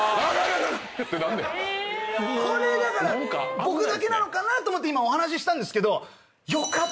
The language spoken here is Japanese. これ僕だけなのかなと思って今お話ししたんですけど。